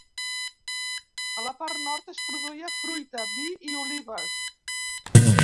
A la part nord es produïa fruita, vi i olives.